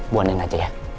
buat nenek aja ya